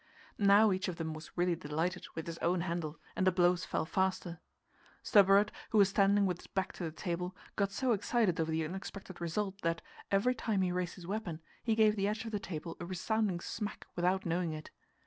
Now each of them was really delighted with his own handle, and the blows fell faster. Stubberud, who was standing with his back to the table, got so excited over the unexpected result that, every time he raised his weapon, he gave the edge of the table a resounding smack without knowing it.